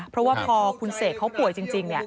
เพราะว่าพอคุณเสกเขาป่วยจริง